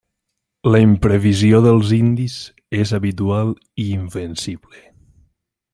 La imprevisió dels indis és habitual i invencible.